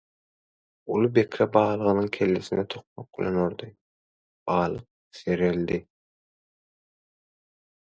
Uly bekre balygynyň kellesine tokmak bilen urdy. Balyk serreldi